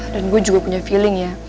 dan gue juga punya feeling ya